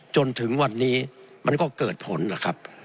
จนถึงวันนี้มันก็เกิดผลนะครับ